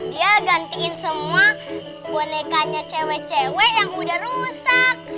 dia gantiin semua bonekanya cewek cewek yang udah rusak